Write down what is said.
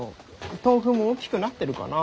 とうふも大きくなってるかな？